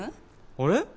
あれ？